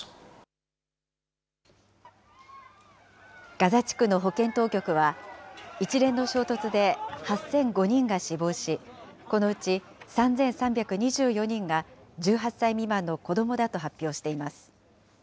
ガザ地区の保健当局は、一連の衝突で８００５人が死亡し、このうち３３２４人が１８歳未満の子どもだと発表しています。